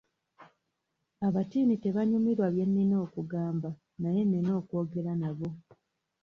Abatiini tebanyumirwa bye nnina okubagamba naye nnina okwogera nabo.